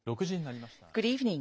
６時になりました。